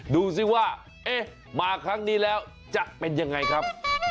ดูสิว่าเอ๊ะมาครั้งนี้แล้วจะเป็นยังไงครับ